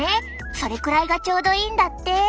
それくらいがちょうどいいんだって！